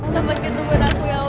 sampai ketemu dengan aku ya allah